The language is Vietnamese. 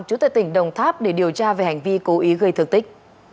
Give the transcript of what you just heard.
chủ tịch tỉnh đồng tháp để điều tra về hành vi cố ý gây thực tích